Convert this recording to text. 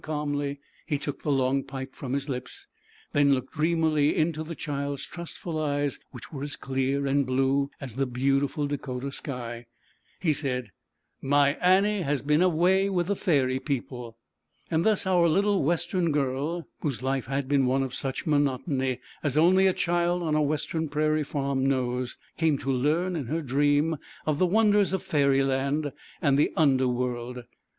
255 calmly he took the long pipe from his lips; then looking dreamily into the child's trustful eyes, which were as clear and blue as the beautiful Dakota sky, he said, "My Annie has been away with the Fairy People." ose s And thus our little life had been on e of such monotony a i i ij r only a child on a western prairie tarm knows, came to learn in her dream of ' the wonders of Fairy Land and the J XX7 1J TX7U 1 U ,'11 der World.